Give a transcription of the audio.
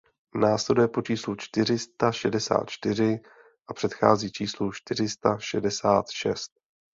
Následuje po číslu čtyři sta šedesát čtyři a předchází číslu čtyři sta šedesát šest.